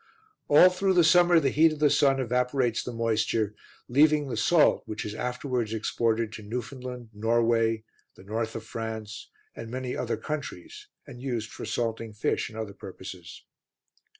All through the summer the heat of the sun evaporates the moisture, leaving the salt which is afterwards exported to Newfoundland, Norway, the North of France and many other countries and used for salting fish and other purposes.